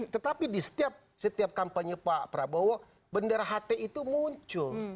tetapi di setiap kampanye pak prabowo bendera ht itu muncul